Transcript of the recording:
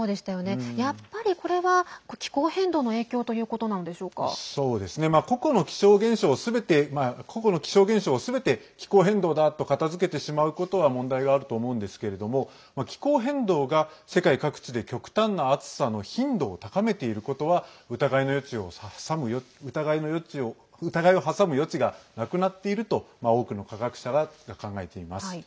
やっぱり、これは気候変動の個々の気象現象をすべて気候変動だと片づけてしまうことは問題があると思うんですけれども気候変動が世界各地で極端な暑さの頻度を高めていることは疑いを挟む余地がなくなっていると多くの科学者が考えています。